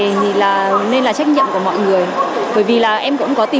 nên là trách nhiệm của mọi người